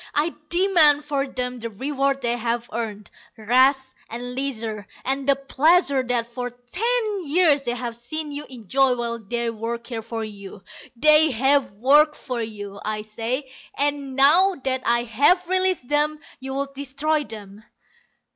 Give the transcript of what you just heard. I demand for them the reward they have earned rest and leisure, and the pleasures that for ten years they have seen you enjoy while they worked here for you. They have worked for you, I say, and now that I have released them you would destroy them.